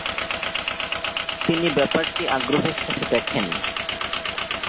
তিনি ব্যাপারটি আগ্রহ সাথে দেখেন।